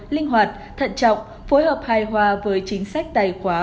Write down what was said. linh hoạt thận trọng phối hợp hài hòa với chính sách tài khoá